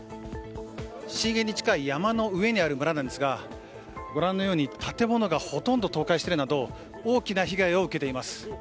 震源に近い山の上にある村なんですがご覧のように建物がほとんど倒壊しているなど大きな被害を受けています。